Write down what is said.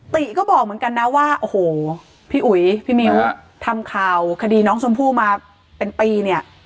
ติก็บอกเหมือนกันนะว่าโอ้โหพี่อุ๋ยพี่มิ้วทำข่าวคดีน้องชมพู่มาเป็นปีเนี่ย